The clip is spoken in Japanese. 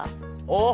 あ！